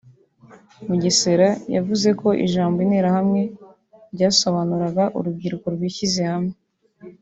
Mugesera yavuze ko Ijambo “Interahamwe” byasobanuraga urubyiruko rwishyize hamwe